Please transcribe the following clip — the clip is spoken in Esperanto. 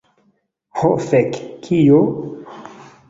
Ho fek. Kio?